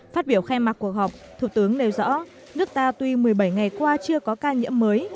phát biểu khai mạc cuộc họp thủ tướng nêu rõ nước ta tuy một mươi bảy ngày qua chưa có ca nhiễm mới